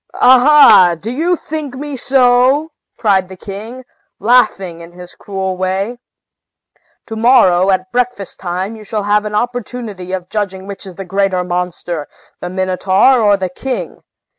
"Aha! do you think me so?" cried the king, laughing in his cruel way. "To morrow, at breakfast time, you shall have an opportunity of judging which is the greater monster, the Minotaur or the king!